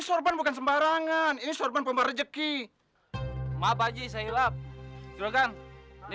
sorban bukan sembarangan ini sorban pemberi rezeki maaf baji saya hilang juragan ini